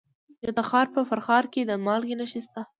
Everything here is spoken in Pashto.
د تخار په فرخار کې د مالګې نښې شته.